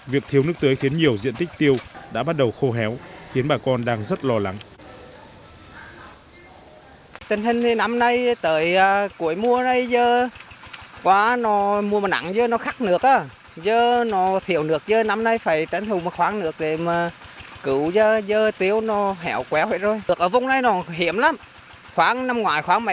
việc thiếu nước tưới khiến nhiều diện tích tiêu đã bắt đầu khô héo khiến bà con đang rất lo lắng